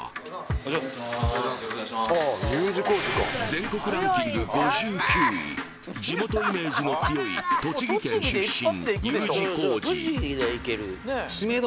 全国ランキング５９位地元イメージの強い栃木県出身